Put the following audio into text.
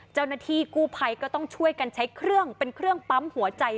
เจ้าหน้าที่กู้ภัยก็ต้องช่วยกันใช้เครื่องเป็นเครื่องปั๊มหัวใจ